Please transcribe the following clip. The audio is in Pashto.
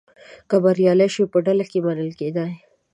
که بریالی شو په ډله کې منل کېدی.